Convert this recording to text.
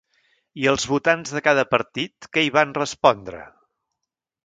I els votants de cada partit, què hi van respondre?